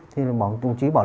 thì đồng chí bảo